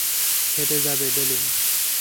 ফেটে যাবে বেলুন।